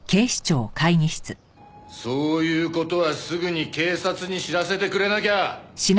そういう事はすぐに警察に知らせてくれなきゃ！